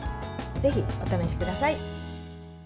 ぜひ、お試しください。